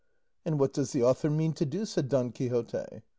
'" "And what does the author mean to do?" said Don Quixote.